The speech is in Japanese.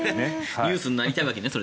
ニュースになりたいわけね。